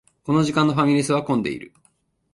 この時間のファミレスは混んでいる